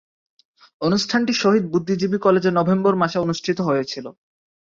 অনুষ্ঠানটি শহীদ বুদ্ধিজীবী কলেজে নভেম্বর মাসে অনুষ্ঠিত হয়েছিলো।